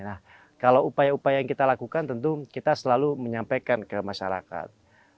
nah kalau upaya upaya yang kita lakukan tentu kita selalu menyampaikan ke masyarakat